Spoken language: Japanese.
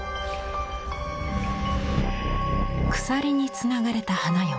鎖につながれた花嫁。